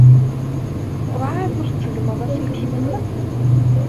Weɛad ur d-tṣeggmed aselkim-nnem?